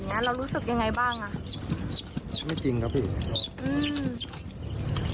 เรารู้สึกยังไงบ้างอ่ะไม่จริงครับพี่อืม